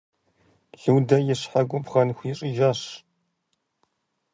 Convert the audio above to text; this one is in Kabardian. Людэ и щхьэ губгъэн хуищӀыжащ.